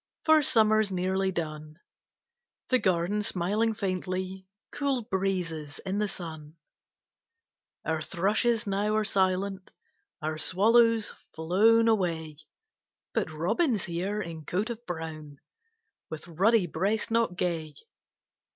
For Summer's nearly done; The garden smiling faintly, Cool breezes in the sun; Our Thrushes now are silent, Our Swallows flown away, But Robin's here, in coat of brown, With ruddy breast knot gay.